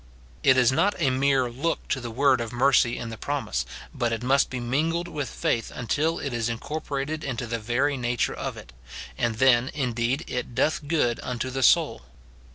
It is not a mere look to the word of mercy in the promise, but it must be mingled with faith until it is incorporated into the very nature of it ; and then, indeed, it doth good unto the soul.